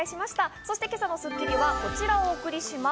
そして今朝の『スッキリ』はこちらをお送りします。